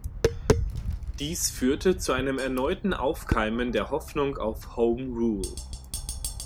Dies führte zu einem erneuten Aufkeimen der Hoffnung auf Home Rule.